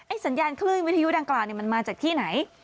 สัญญาณคลื่นวิทยุดังกล่าวมันมาจากที่ไหน